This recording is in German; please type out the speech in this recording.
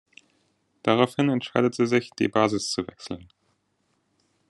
Daraufhin entscheidet sie sich, die Basis zu wechseln.